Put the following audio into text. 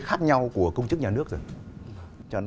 khác nhau của công chức nhà nước rồi